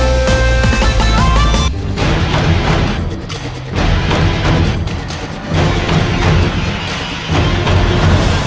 อันดับสุดท้าย